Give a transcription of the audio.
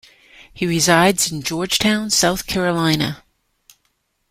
He resides in Georgetown, South Carolina.